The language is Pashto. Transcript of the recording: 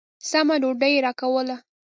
سمه ډوډۍ يې راکوله.